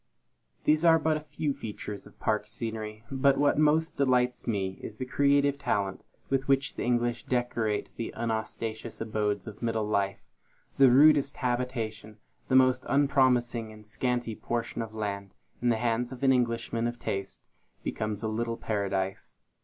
These are but a few of the features of park scenery; but what most delights me, is the creative talent with which the English decorate the unostentatious abodes of middle life. The rudest habitation, the most unpromising and scanty portion of land, in the hands of an Englishman of taste, becomes a little paradise.